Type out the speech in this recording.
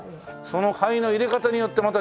その灰の入れ方によってまた違うんだね？